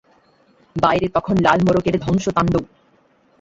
বাইরে তখন লাল মড়কের ধ্বংসতাণ্ডব!